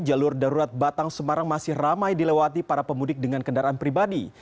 jalur darurat batang semarang masih ramai dilewati para pemudik dengan kendaraan pribadi